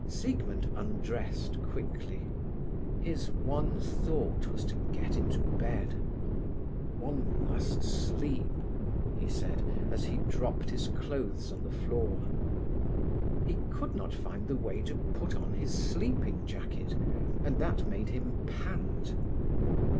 Siegmund undressed quickly. His one thought was to get into bed. "One must sleep," he said as he dropped his clothes on the floor. He could not find the way to put on his sleeping jacket, and that made him pant.